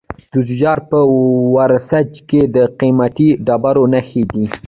د تخار په ورسج کې د قیمتي ډبرو نښې دي.